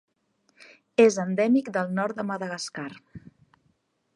És endèmic del nord de Madagascar.